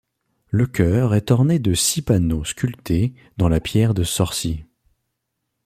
Le chœur est orné de six panneaux sculptés dans la pierre de Sorcy.